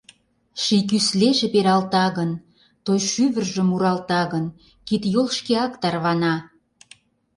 Ший кӱслеже пералта гын, Той шӱвыржӧ муралта гын, Кид-йол шкеак тарвана.